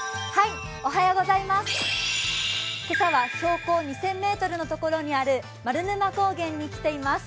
今朝は標高２０００ｍの所にある丸沼高原に来ています。